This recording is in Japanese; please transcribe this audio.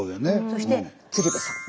そして鶴瓶さん。